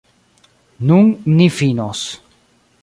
Nun ni finos.